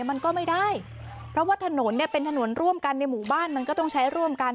มันก็ไม่ได้เพราะว่าถนนเนี่ยเป็นถนนร่วมกันในหมู่บ้านมันก็ต้องใช้ร่วมกัน